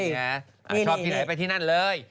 ชอบที่ไหนไปที่นั่นเลย